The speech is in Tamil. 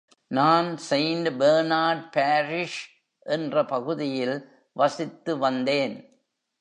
நான் செயிண்ட் பெர்னார்ட் பாரிஷ் என்ற பகுதியில் வசித்து வந்தேன்.